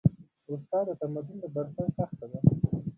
استاد د تمدن د بنسټ خښته ده.